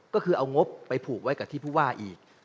ก็คือเอางบไปผูกไว้กับที่ผู้ว่าอีก